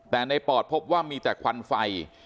แต่ในปอดพบว่ามีแต่ควันไฟ